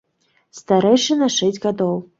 Старэйшы на шэсць гадоў.